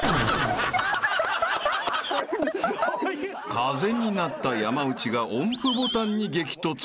［風になった山内が音符ボタンに激突］